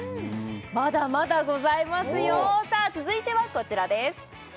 まだまだございますよさあ続いてはこちらです